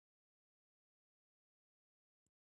په بشپړ توګه د خپل ځان کېدو په لور تګ پيل کوي.